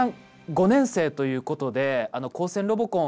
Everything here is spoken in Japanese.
５年生ということで「高専ロボコン」